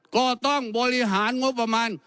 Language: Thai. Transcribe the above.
ก็ต้องบริหารงบประมาณ